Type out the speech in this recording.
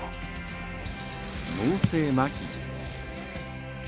脳性まひ。